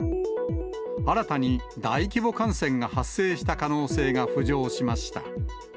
新たに大規模感染が発生した可能性が浮上しました。